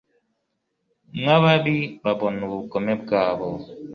Nkababi babona ubugome bwabo